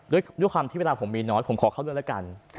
ด้วยความที่เวลาผมมีน้อยผมขอเข้าด้วยแล้วกัน